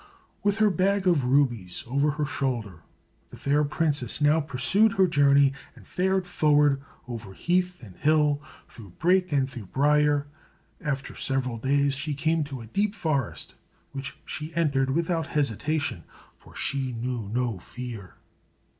With her bag of rubies over her shoulder, the fair princess now pursued her journey, and fared forward over heath and hill, through brake and through brier. After several days she came to a deep forest, which she entered without hesitation, for she knew no fear.